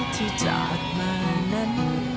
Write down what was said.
ที่จากเมื่อนั้น